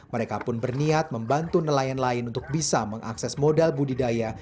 mereka pun berniat membantu nelayan lain untuk bisa mengakses modal budidaya